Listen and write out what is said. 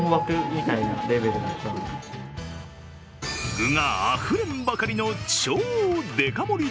具があふれんばかりの超デカ盛り